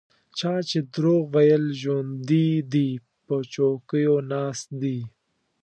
چا چې دروغ ویل ژوندي دي په چوکیو ناست دي.